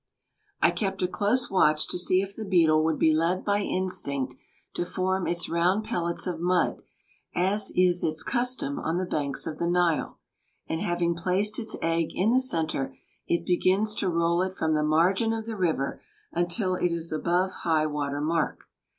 I kept a close watch to see if the beetle would be led by instinct to form its round pellets of mud as is its custom on the banks of the Nile, and having placed its egg in the centre, it begins to roll it from the margin of the river until it is above high water mark.